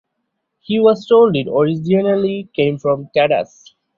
He was told it originally came from Tadas.